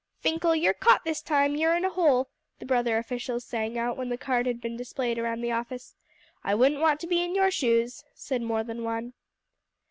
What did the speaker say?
"Finkle, you're caught this time; you're in a hole," the brother officials sang out when the card had been displayed around the office. "I wouldn't want to be in your shoes," said more than one.